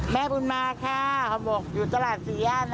แม่บุญมาค่ะขอบบอยู่ตลาดสี่ย่านนะคะ